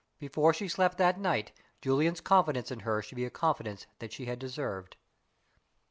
Before she slept that night Julian's confidence in her should be a confidence that she had deserved.